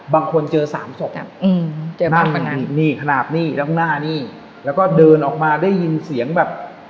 บางคนเจอสามศพขนาดนี้แล้วหน้านี้แล้วก็เดินออกมาได้ยินเสียงแบบ